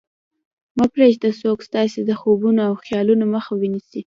مه پرېږدئ څوک ستاسې د خوبونو او خیالونو مخه ونیسي